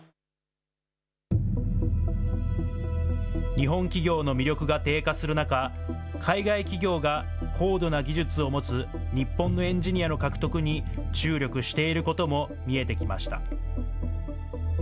日本企業の魅力が低下する中、海外企業が高度な技術を持つ、日本のエンジニアの獲得に注力していることも見えてきました。